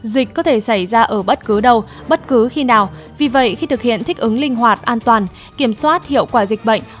dịch có thể xảy ra ở bất cứ đâu bất cứ khi nào vì vậy khi thực hiện thích ứng linh hoạt an toàn kiểm soát hiệu quả dịch bệnh